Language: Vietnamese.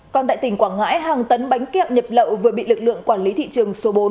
còn tại tỉnh quảng ngãi hàng tấn bánh kẹo nhập lậu vừa bị lực lượng quản lý thị trường số bốn